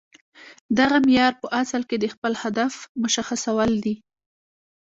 دغه معیار په اصل کې د خپل هدف مشخصول دي